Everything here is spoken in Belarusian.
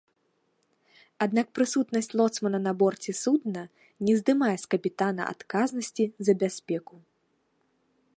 Аднак прысутнасць лоцмана на борце судна не здымае з капітана адказнасці за бяспеку.